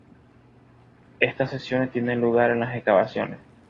Estas sesiones tienen lugar en las excavaciones.